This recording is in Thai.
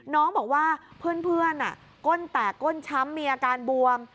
น้องบอกว่าเพื่อนก้นแตกก้นช้ำมีอาการบวม